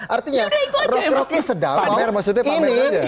artinya rocky sedang mau ini